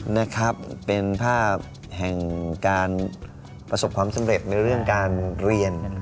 นะครับเป็นภาพแห่งการประสบความสำเร็จในเรื่องการเรียน